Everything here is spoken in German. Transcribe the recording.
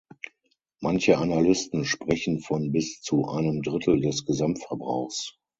Manche Analysten sprechen von bis zu einem Drittel des Gesamtverbrauchs.